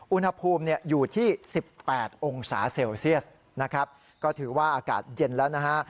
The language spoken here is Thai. อุณหภูมิอยู่ที่๑๘องศาเซลเซียสนะครับก็ถือว่าอากาศเย็นแล้วนะฮะ